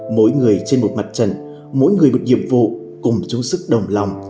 mỗi người trên một mặt trận mỗi người một nhiệm vụ cùng chung sức đồng lòng